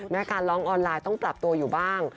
การร้องออนไลน์ต้องปรับตัวอยู่บ้าง